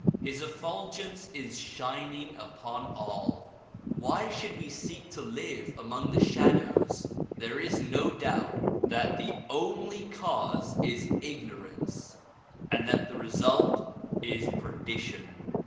His effulgence is shining upon all why should we seek to live among the shadows ? There is no doubt that the only cause is ignorance and that the result is perdition.